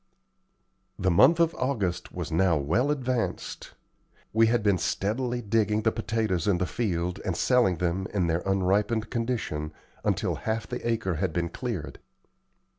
The month of August was now well advanced. We had been steadily digging the potatoes in the field and selling them in their unripened condition, until half the acre had been cleared.